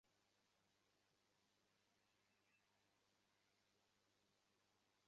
Master ঊশিয়ান, আমাকে যেতে হবে।